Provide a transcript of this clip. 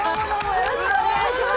よろしくお願いします！